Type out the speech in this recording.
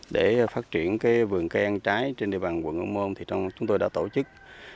để phát triển vườn cây ăn trái trên địa bàn quận âu môn thì chúng tôi đã tổ chức